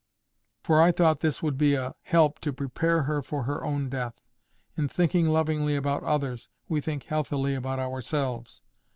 For I thought this would be a help to prepare her for her own death. In thinking lovingly about others, we think healthily about ourselves.